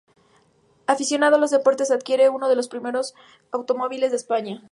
Aficionado a los deportes, adquiere uno de los primeros automóviles de España.